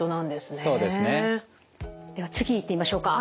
では次いってみましょうか。